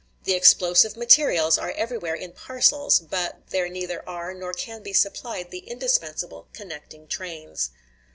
The explosive materials are everywhere in parcels; but there neither are nor can be supplied the indispensable connecting trains.